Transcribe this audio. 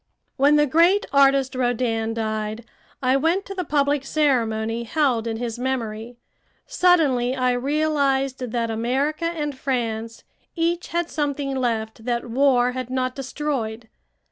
When the great artist Rodin died, I went to the public ceremony held in his memory. Suddenly I realized that America and France each had something left that war had not destroyed.